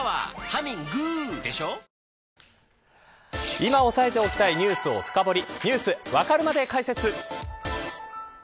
今押さえておきたいニュースを深掘りＮｅｗｓわかるまで解説。